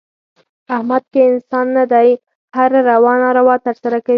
احمد ښه انسان نه دی. هره روا ناروا ترسه کوي.